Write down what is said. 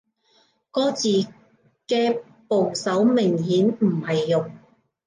個字嘅部首明顯唔係肉